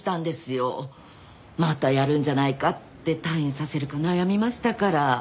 またやるんじゃないかって退院させるか悩みましたから。